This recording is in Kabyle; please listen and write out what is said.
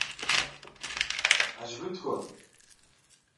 Ɛeǧbent-ken?